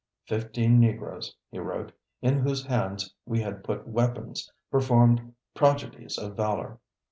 "Fifteen negroes," he wrote, "in whose hands we had put weapons, performed prodigies of valor.